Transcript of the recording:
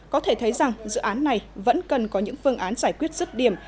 có thể thấy rằng dự án này vẫn cần có những phương án giải quyết rứt điểm